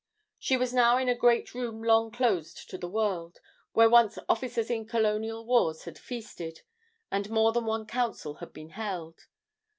She was now in a great room long closed to the world, where once officers in Colonial wars had feasted, and more than one council had been held.